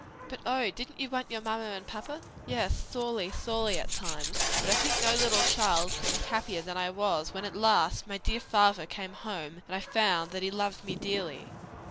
"But oh, didn't you want your mamma and papa?" "Yes, sorely, sorely at times; but I think no little child could be happier than I was when at last; my dear father came home, and I found that he loved me dearly.